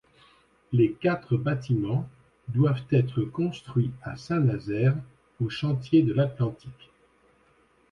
Les quatre bâtiments doivent être construit à Saint-Nazaire au Chantiers de l'Atlantique.